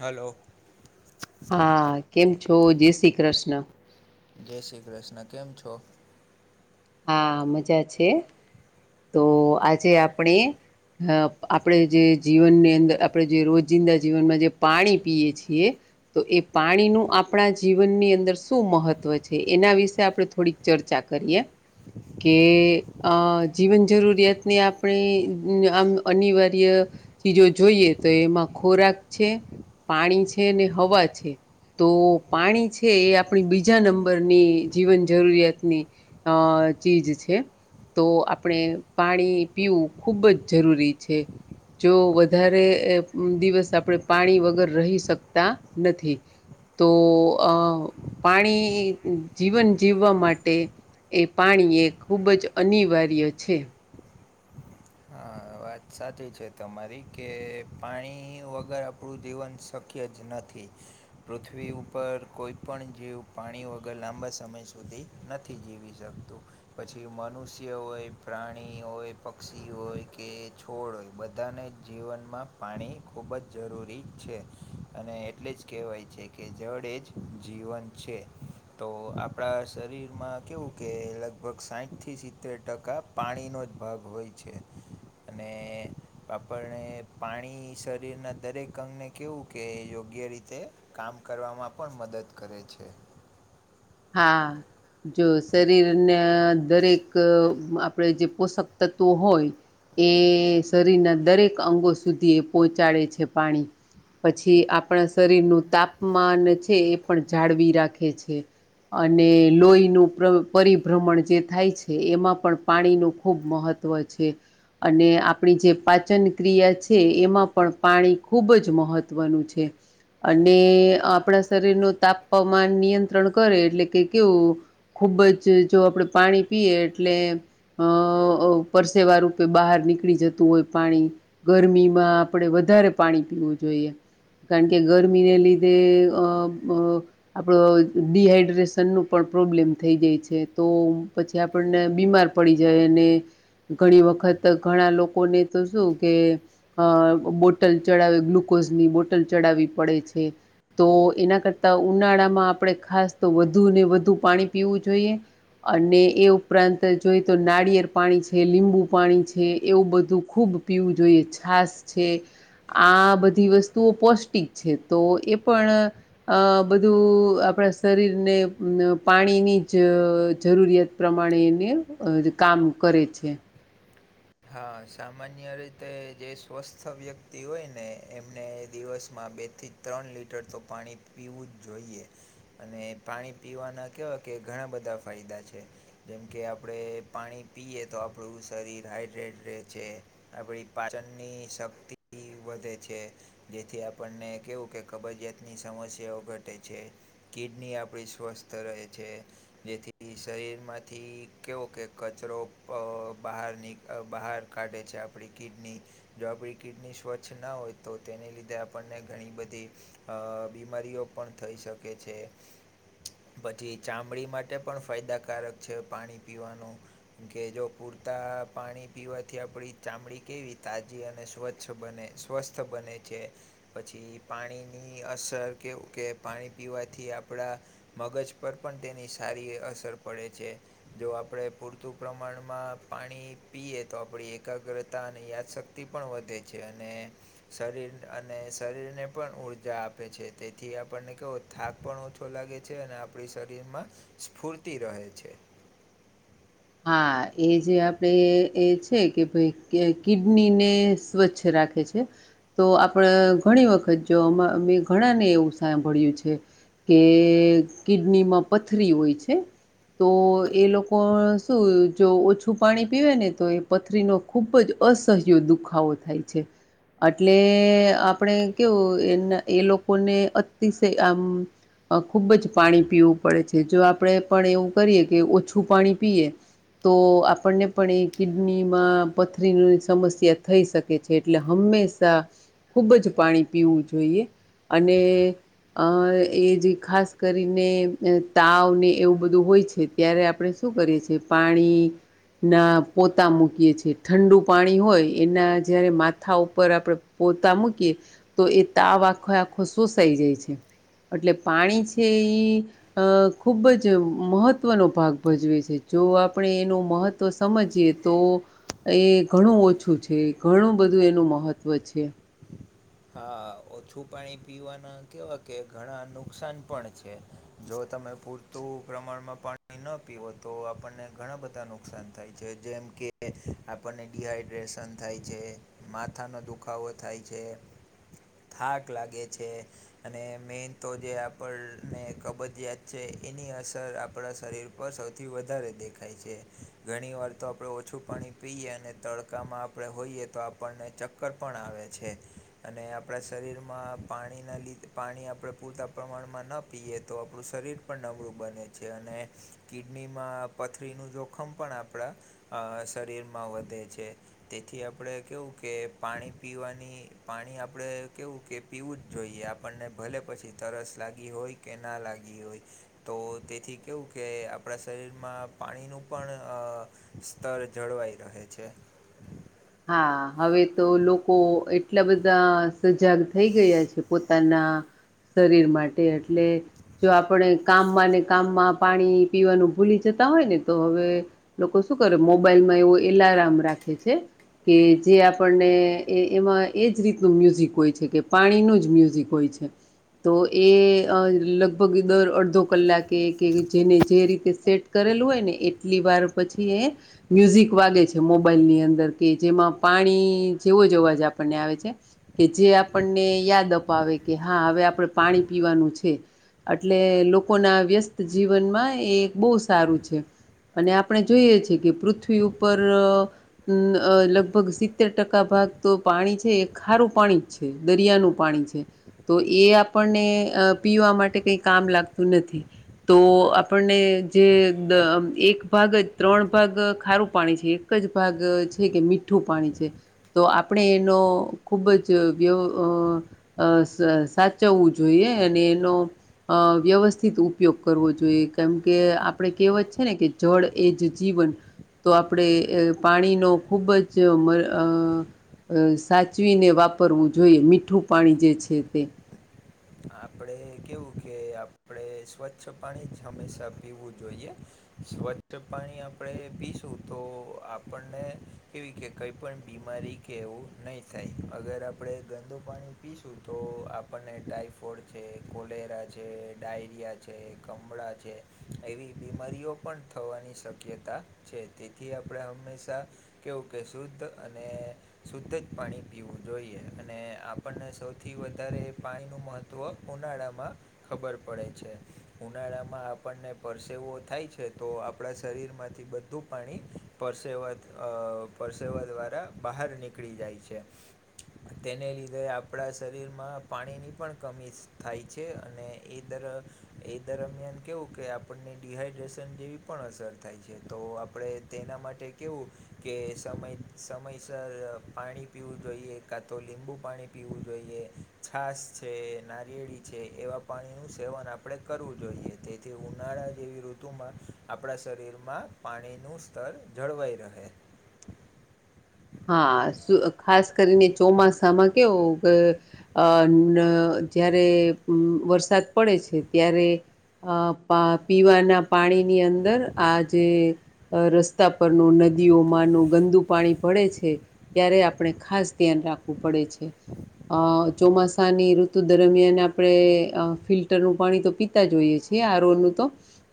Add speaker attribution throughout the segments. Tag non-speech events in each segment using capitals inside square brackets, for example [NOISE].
Speaker 1: Hello.
Speaker 2: હા કેમ છો જય શ્રી કૃષ્ણ
Speaker 1: જય શ્રી કૃષ્ણ કેમ છો
Speaker 2: હા મજા છે તો આજે આપણે અ આપણે જે જીવનની અંદર આપણે જે રોજિંદા જીવનમાં જે પાણી પીએ છીએ તો એ પાણીનું આપણા જીવનની અંદર શું મહત્વ છે એના વિશે આપણે થોડીક ચરચા કરિએ કે આ જીવન જરૂરિયાતને આપણે આમ અનિવાર્ય ચીજો જોઈએ તો એમાં ખોરાક છે પાણી છે ને હવા છે તો પાણી છે એ આપણી બીજા નંબરની જીવન જરૂરિયાતની અ ચીજ છે તો આપણે પાણી પીવું ખૂબ જ જરૂરી છે જો વધારે દિવસ આપણે પાણી વગર રહી શકતા નથી તો પાણી જીવન જીવવા માટે એ પાણી એ ખૂબ જ અનિવાર્ય છે
Speaker 1: હા વાત સાચી છે તમારી કે પાણી વગર આપણું જીવન શક્ય જ નથી પૃથ્વી ઉપર કોઈ પણણ જીવ પાણી વગર લાંબા સમય સુધી નથી જીવી શકતું પછી મનુષ્ય હોય પ્રાણી હોય પક્ષી હોય કે છોડ હોય બધાને જીવનમાં પાણી ખૂબ જ જરૂરી છે અને એટલે જ કહેવાય છે કે જડે જ જીવન છે તો આપણા શરીરમાં કેવું કે લગભગ સાઠથી સિત્તેર ટકા પાણીનો જ ભાગ હોય છે અને આપપને પાણી શરીરના દરેક અંગને કહેવું કે યોગ્ય રીતે તે કામ કરવામાં પણ મદદ કરે છે
Speaker 2: હા જો શરીરના દરેક આપણે જે પોષક તત્વો હોય ચુતિયો એ શરીરના દરેક અંગો સુધી એ પહોંચાડે છે પાણી પછી આપણા શરીરનું તાપમાન છે એ પણ જાળવી રાખે છે અને લોહીનું પરિભ્રમણ જે થાય છે એમાં પણ પાણીનું ખૂબ મહત્વ છે અને આપણી જે પાચન ક્રિયા છે એમાં પણ પાણી ખૂબ જ મહત્ત્વનું છે અને આપણા શરીર ન તાપમાન નિયંત્રણ કરે એટલે કે કેવું ખૂબ જ જો આપણે પાણી પીએ એટલે અ પરસેવા રૂપે બહાર નીકળી જતું હોય પાણી ગરમીમાં આપણે વધારે પાણી પીવું જોઈએ કારણ કે ગરમીને લીધે અ આપડો ડીહાઈડ્રેેશ સનનું પણ પ્રોબ્લેમ થઈ જાય છે તો પછી આપણને બીમાર પડી જાય અને ઘણી વખત ઘણા લોકોને તો શું કે અ બોટલ ચડાવે ગ્લુકોઝ ની બોટલ ચડાવવી પડે છે તો એના કરતા ઉનાળામાં આપણે ખાસ તો વધુ ને વધુ પાણી પીવું જોઈએ અને એ ઉપરાંત જોઈએ તો નાળિયેર પાણી છે લીંબુ પાણી છે એવું બધું ખૂબ પીવું જોઈએ છાસ છે આ બધી વસ્તુઓ પૌષ્ટિક છે તો એ પણ અ બધું આપણા શરીરને ન પાણીની જ જરૂરિયાત પ્રમાણે ને કામ કરે છે
Speaker 1: હા સામાન્ય રીતે જે સ્વસ્થ વ્યક્તિ હોય ને એમને દિવસમાં બેથી ત્રણ લીટર તો પાણી પીવું જ જોઈએ અને પાણી પીવાના કેવાય કે ઘણા બધા ફાયદા છે જેમ કે આપડે પાણી પીએ તો આપણું શરીર હાઈટ છે આપડી પાચનની શક્તિ વધે છે જેથી આપણને કેવું કે કબજીયાતની સમસ્યાઓ ઘટે છે કિડની આપણી સ્વસ્થ રહે છે જેથી શરીર માંથી કેવો કે કચરો બહાર નીક અ બહાર કાઢે છે આપડી કિડની જો આપડી કિડની સ્વચ્છ ના હોય તો તેને લીધે આપણને ઘણી બધી અ બીમારીઓ પણ થઈ શકે છે પછી ચામડી માટે પણ ફાયદાકારક છે પાણી પીવાનું કે જો પુરતા પાણી પીવાથી આપડી ચામડી કેવી તાજી અને સ્વચ્છ બને સ્વસ્થ બને છે. પછી પાણીની અસર કેવું કે પાણી પીવાથી આપડા મગજ પર પણ તેની સારી અસર પડે છે. જો આપડે પૂરતું પ્રમાણમાં પાણી પીએ તો આપડી એકાગ્રતા અને યાદશક્તિ પણ વધે છે અને શરીર અને શરીરને પણ ઉર્જા આપે છે તેથી આપણને કેવું થાક પણ ઓછો લાગે છે અને આપડી શરીરમાં સ્ફૂર્તિ રહે છે
Speaker 2: હા એ જે આપડે એ છે કે ભાઈ કિડની ને સ્વચ્છ રાખ કે છે તો આપડે ઘણી વખત જોં ઘણાને એવું સાંભળ્યું છે કે કિડનીમાં પથરી હોય છે તો એ લોકો જો ઓછું પાણી પીવે ને તો એ પથરીનો ખુબ જ અસહ્ય દુખાવો થાય છે એટલે આપણેે કેવું એ એ લોકોને અતિશય આમ ખૂબ જ પાણી પીવું પડે છે જો આપડે પણ એવું કરીએ કે ઓછું પાણી પીએ તો આપણને પણ એ કિડનીમાં પથરીની સમસ્યા થઈ શક કે છે એટલે હંમેશા ખુબ જ પાણી પીવું જોઈએ અને અ એ જે ખાસ કરીને તાવને એવું બધું હોય છે. ત્યારે આપડે શું કરીએ છીએ? પાણી ના પોતા મૂકીએ છે ઠંડુ પાણી હોય એના જયારે માથા ઉપર આપડે પોતા મૂકીએ તો એ તાવ આખો આખો શોસાઈ જાય છે. એટલે પાણી છે ઈ અ ખુબ જ મહત્વનો ભાગ ભજવે છે. જો આપણે એનું મહત્ત્વ સમજીએ તો એ ઘણું ઓછું છે. ઘણું બધું એનું મહત્ત્વ છે.
Speaker 1: હા ઓછું પાણી પીવાના કેવા કે ઘણા નુકસાન પણ છે. જો તમે પૂર પ્રમાણમાં પાણી ન પીવો તો આપણને ઘણા બધા નુકસાન થાય છે જેમ કે આપણને ડીહાઈડ્રેશન થાય છે. માથાનો દુખાવો થાય છે. થાક લાગે છે. અને મેન તો જે આપણને કબજયાત છે એની અસર આપડા શરીર પર સૌથી વધારે દેખાય છે. ઘણી વાર તો આપણે ઓછું પાણી પીએ અને તળ કામાં આપણે હોઈએ તો આપણને ચક્કર પણ આવે છે. અને આપડા શરીરમાં પાણીના લીધે પાણી આપડે પૂરતા પ્રમાણમાં ન પીએ તો આપડુ શરીર પણ નબળું બને છે અને કિડનીમાં પથરીનું જોખમ પણ આપડા શરીરમાં વધે છે. તેથી આપડે કેવું કે પાણી પીવાની પાણી આપડે કેવું કે પીવું જ જોઈએ આપણને ભલે પછી તરસ લાગી હોય કે ના લાગી હોય. તો તેથી કેવું કે આપણા શરીરમાં પાણીનું પણ સ્તર જળવાઈ રહે છે.
Speaker 2: હા, હવે તો લોકો એટલા બધા સજાગ થઈ ગયા છે. પો પોતાના શરીર માટે એટલે જો આપડે કામમાં ને કામમાં પાણી પીવાનું ભૂલી જતા હોય ને તો હવે લોકો શું કરે મોબાઈલમાં એવો એલાર્મ રાખે છે. કે જે આપણને એમાં એજ રીતનું મ્યુઝિક હોય છે. કે પાણીનું જ મ્યુઝિક હોય છે. તો એ લગભગ દર અડધો કલાકે કે જેને જે રીતે સેટ કરેલું હોય ને એટલી વાર પછી એ મ્યુઝિક વાગે છે. મોબાઈલ ની અંદર. કે જેમાં પાણી જેવો જ અવાજ આપણને આવે છે. કે જે આપણને યાદ અપાવે કે હા હવે આપડે પાણી પીવાનું છે. એટલે લોકોના વ્યસ્ત જીવનમાં એ બહુ સારું છે. અને આપણે જોઈએ છીએ કે પૃથ્વી ઉપર અ લગભગ સિત્તેર ટકા ભાગ તો પાણી છે એ ખારું પાણી જ છે. દરિયાનું પાણી છે. તો એ આપણને અએ પીવા માટે કઈ કામ લાગતું નથી. તો આપણને જે એક ભાગ જ ત્રણ ભાગ ખારું પાણી છે. એક જ ભાગ છે કે મીઠું પાણી છે. તો આપણે એનો ખુબ જ વ્ય. અ સાચવવું જોઈએ અને એનો અ વ્યવસ્થિત ઉપયોગ કરવો જોઈએ કેમ કે આપણે કહેવત છે ને કે જળ એજ જીવન તો આપણે પાણીનો ખુબ જ મ અ [UNINTELLIGIBLE] અ સાચવીને વાપરવું જોઈએ. મીઠું પાણી જે છે તે.
Speaker 1: આપણે કેવું કે આપણે સ્વચ્છ પાણી જ હંમેશા પીવું જોઈએ. સ્વચ્છ પાણી આપણેે પીશું તો આપણને કેવી કે કઈ પણ બીમારી કે એવું નહીં થાય. અગર આપણે ગંદું પાણી પીશું તો આપણને ટાઈ ફોડ છે, કોલેરા છે, ડાયરિયા છે, કમળા છે એવી બીમારીઓ પણ થવાની શક્યતા છે. તેથી આપણે હંમેશાં કવું કે શુદ્ધ અને શુદ્ધ જ પાણી પીવું જોઈએ અને આપણને સૌથી વધારે પાણી નું મહત્વ. તત્વ ઉનાળામાં. ખબર પડે છે ઉનાળામાં આપણને પરસેવો થાય છે તો આપણા શરીર માંથી બધા. ધું પાણી પરસેવા પરસેવા દ્વારા બહાર નીકળી જાય છે.
Speaker 2: [INAUDIBLE]
Speaker 1: તેને લીધે આપણા શરીરમાં પાણીની પણ. કમી થાય છે અને એ દર એ દરમિયાન કેવું કે આપ. આપણને ડડીહાઈડ્રેશન જેવી પણ અસર થાય છે તો આપણે તેના માટે કેવું. કે સમય સમયસર પાણી પીવું જોઈએ કાં તો લીંબુ પાણી પીવું જોઈએ. છાસ. છે નારિયેળી છે એવા પાણીનું સેવન આપણે કરવું જોઈએ તેથી ઉનાળા જેવી ઋતુમાં. આપણા શરીરમાં પાણીનું સ્તર જળવાઈ રહે.
Speaker 2: હા ખાસ કરીને ચોમાસામાં કેવું કે. અ જારે વરસાદ પડે છે ત્યારે. અ પીવાના પાણીની અંદર આ જે. અ રસ્તા પરનું નદીઓમાંનું ગંદુ પાણી. પડે છે ત્યારે આપણે ખાસ ધ્યાન રાખવું પડે છે. અ ચોમાસાની ઋતુ દરમિયાન આપડણે અ ફિલ્ટરનું પાણી તો પીતા જોઈએ છીએ. આરોનું તો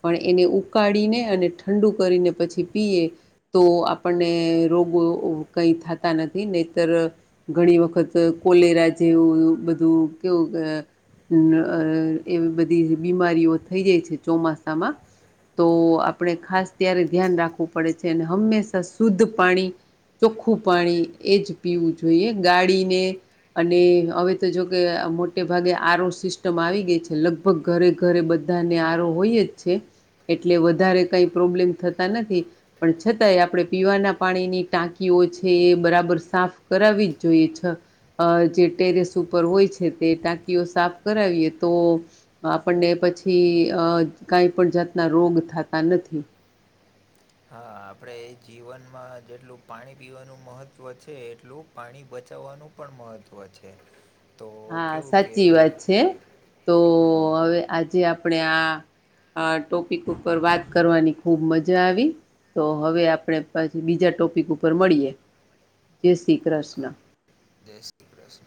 Speaker 2: પણ એને ઉકાળીને અને ઠંડુ કરીને પછી પીએ. તો આપણને રોગો કઈ થતા નથી નેતર. ઘણી વખત કોલેરા જેવું બધું કેવું. એવી બધી બીમારીઓ થઈ જાય છે ચોમાસામાં. તો આપણે ખાસ ત્યારે ધ્યાન રાખવું પડે છે અને હંમેશા શુદ્ધ પાણી. ચોખ્ખું પાણી એ જ પીવું જોઈએ ગાડીને. અને હવે તો જોકે મોટે ભાગે આરો સિસ્ટમ આવી ગઈ છે લગ. લગભગ ઘરે ઘરે બધાને આરો હોય જ છે. એટલે વધારે કઈ પ્રોબ્લેમ થતા નથી પણ છતાંય આપણે પીવાના પાણીની ટાંકી. છે એ બરાબર સાફ કરાવી જ જોઈએ છે. અ જે ટેરેસ ઉપર હોય છે તે ટાંકીઓ સાફ કરાવીએ તો. આપણને પછી અ કઈ પણ જાતના રોગ થતા નથી.
Speaker 1: હા આપણે એ જીવનમાં જેટલું પાણી પીવાનું મહત્ત્વ છે એટલું. પાણી બચાવવાનું પણ મહત્ત્વ છે. તો
Speaker 2: હા
Speaker 1: કેવું કે
Speaker 2: સાચી વાત છે. તો
Speaker 1: હમ
Speaker 2: હવે આજે આપણે આ. આ ટોપિક ઉપર વાત કરવાની ખૂબ મજા આવી. તો હવે આપણેે પછી બીજા ટોપિક ઉપર મળીએ જેસી કૃષ્ણ.
Speaker 1: પ્રસ.